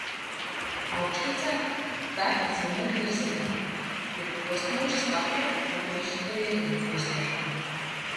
Augštecē tek ziemeļu virzienā, pie Postmuižas kapiem pagriežas rietumu virzienā.